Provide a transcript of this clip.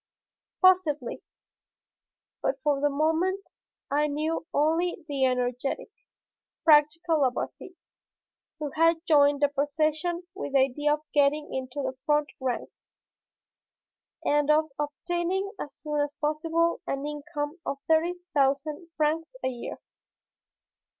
Possibly, but for the moment I knew only the energetic, practical Labarthe, who had joined the procession with the idea of getting into the front rank, and of obtaining as soon as possible an income of thirty thousand francs a year.